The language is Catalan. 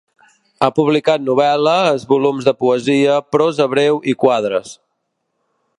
Ha publicat novel·les, volums de poesia, prosa breu i quadres.